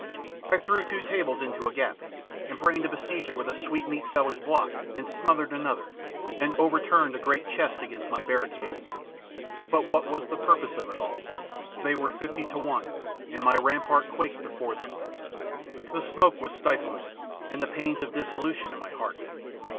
I threw two tables into a gap, and brained a besieger with a sweetmeat seller's block and smothered another, and overturned a great chest against my barricade; but what was the purpose of it all? They were fifty to one and my rampart quaked before them. The smoke was stifling, and the pains of dissolution in my heart.